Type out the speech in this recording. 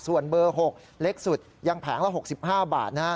ส่วนเบอร์๖เล็กสุดยังแผงละ๖๕บาท